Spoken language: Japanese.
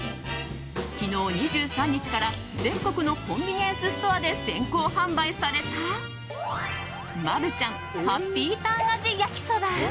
昨日、２３日から全国のコンビニエンスストアで先行販売された、マルちゃんハッピーターン味焼きそば。